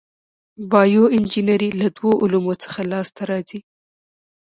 بایو انجنیری له دوو علومو څخه لاس ته راځي.